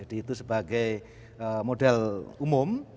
jadi itu sebagai model umum